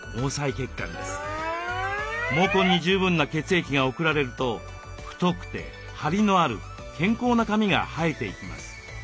毛根に十分な血液が送られると太くてハリのある健康な髪が生えていきます。